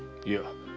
いや。